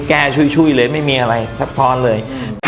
ช่วยเลยไม่มีอะไรซับซ้อนเลย